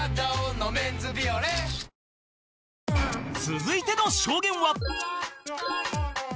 続いての証言は